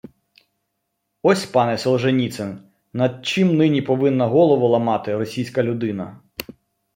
Ось, пане Солженіцин, над чим нині повинна голову ламати російська людина